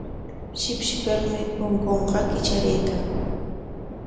Shipshipikmi punkunqa kitraraykan.